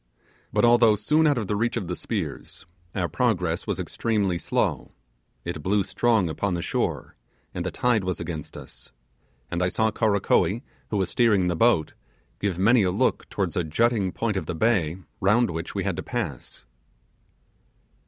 But although soon out of the reach of the spears, our progress was extremely slow; it blew strong upon the shore, and the tide was against us; and I saw Karakoee, who was steering the boat, give many a look towards a jutting point of the bay round which we had to pass.